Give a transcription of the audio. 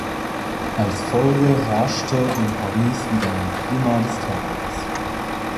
Als Folge herrschte in Paris wieder ein Klima des Terrors.